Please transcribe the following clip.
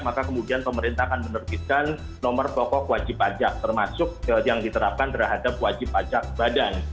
maka kemudian pemerintah akan menerbitkan nomor bako kuasipajak termasuk yang diterapkan terhadap kuasipajak badan